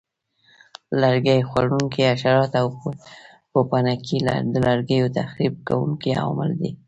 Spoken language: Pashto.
لرګي خوړونکي حشرات او پوپنکي د لرګیو تخریب کوونکي عوامل دي.